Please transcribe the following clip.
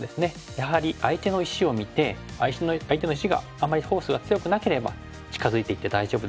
やはり相手の石を見て相手の石があんまりフォースが強くなければ近づいていって大丈夫ですし。